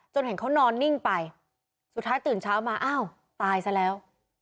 เห็นเขานอนนิ่งไปสุดท้ายตื่นเช้ามาอ้าวตายซะแล้ว